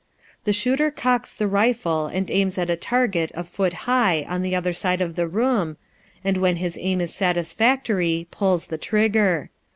The shooter cocks the rifle and aims at a target a foot high on the other side of the room, and when his aim is satisfactory, pulls the trigger.